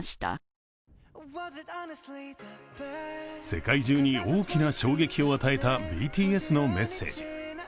世界中に大きな衝撃を与えたＢＴＳのメッセージ。